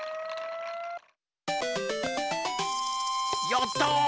やった！